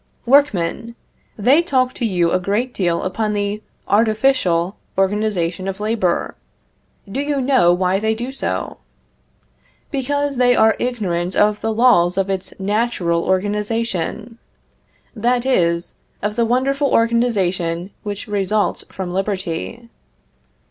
Workmen! They talk to you a great deal upon the artificial organization of labor; do you know why they do so? Because they are ignorant of the laws of its natural organization; that is, of the wonderful organization which results from liberty.